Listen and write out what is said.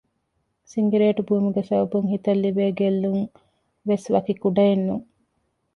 ސިނގިރޭޓު ބުއިމުގެ ސަބަބުން ހިތަށް ލިބޭ ގެއްލުންވެސް ވަކި ކުޑައެއް ނޫން